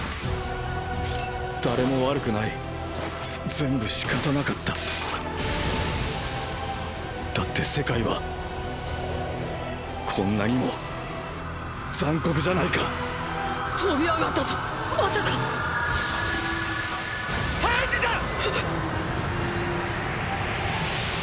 誰も悪くない全部しかたなかっただって世界はこんなにもーー残酷じゃないか飛び上がったぞまさか⁉ハンジさーー。